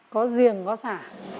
có riềng có sả